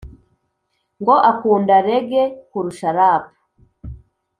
ngo akunda reggae kurusha rap